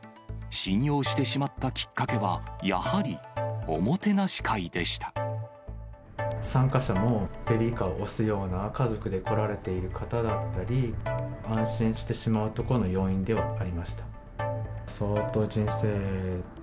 信用してしまったきっかけは、参加者も、ベビーカーを押すような家族で来られている方だったり、安心してしまうところの要因ではありました。